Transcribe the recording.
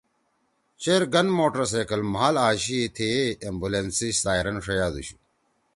چیر گن موٹرسائکل مھال آشی تھیئے ایمولینس سی سائرن ݜیادوشُو۔